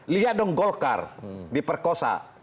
lihat dong golkar di perkosa